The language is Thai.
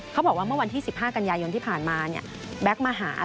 เขาบอกว่าเมื่อวันที่๑๕กันยายนที่ผ่านมาเนี่ยแบ็คมาหา